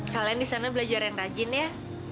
kalian disana belajar yang rajin ya